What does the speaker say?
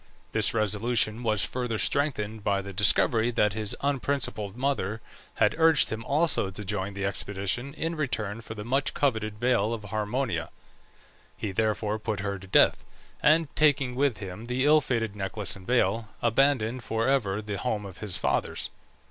This resolution was further strengthened by the discovery that his unprincipled mother had urged him also to join the expedition in return for the much coveted veil of Harmonia. He therefore put her to death; and taking with him the ill fated necklace and veil, abandoned for ever the home of his fathers.